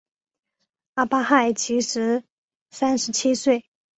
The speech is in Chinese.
阿巴亥其时三十七岁。